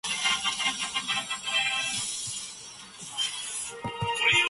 It is the third largest Hong Kong real estate developer by market capitalisation.